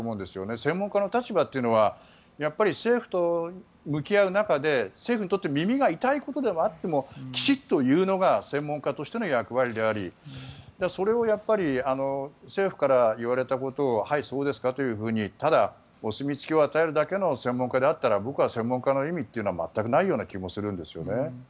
専門家の立場というのは政府と向き合う中で政府にとって耳が痛いことであってもきちんと言うのが専門家としての役割でありそれを政府から言われたことをはい、そうですかというふうにただお墨付きを与えるだけの専門家であったら僕は専門家の意味は全くない気もするんですよね。